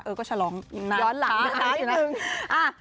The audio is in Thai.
เออก็ฉลองนานนะคะอยู่นานนาน